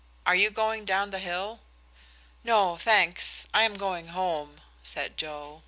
"Are you going down the hill?" "No thanks I am going home," said Joe.